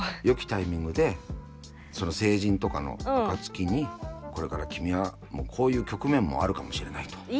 よきタイミングで成人とかの暁にこれから君はもうこういう局面もあるかもしれないと。